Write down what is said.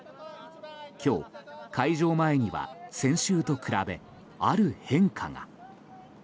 今日、会場前には先週と比べある変化が。